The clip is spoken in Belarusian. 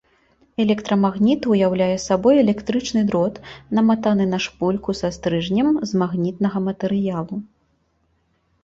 Электрамагніт ўяўляе сабой электрычны дрот, наматаны на шпульку са стрыжнем з магнітнага матэрыялу.